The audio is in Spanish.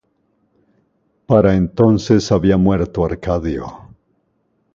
Para entonces había muerto Arcadio.